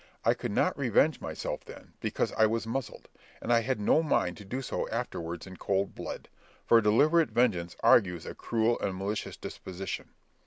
I could not revenge myself then, because I was muzzled, and I had no mind to do so afterwards in cold blood; for deliberate vengeance argues a cruel and malicious disposition.